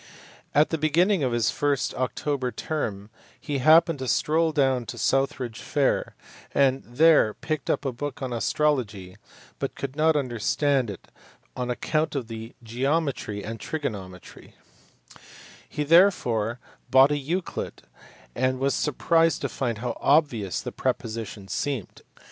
At the be ginning of his first October term he happened to stroll down to Stourbridge Fair, and there picked up a book on astrology, but could not understand it on account of the geometry and trigonometry, He therefore bought a Euclid, and was sur prised to find how obvious the propositions seemed.